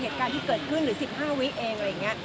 เหตุการณ์ที่เกิดขึ้นหรือ๑๕วิเอง